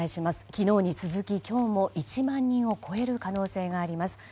昨日に続き今日も１万人を超える可能性があります。